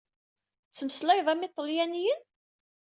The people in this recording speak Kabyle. Tettmeslayeḍ am iṭalyaniyen?